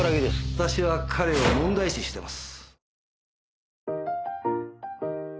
私は彼を問題視してます。